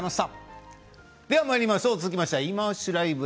続きましては「いまオシ！ＬＩＶＥ」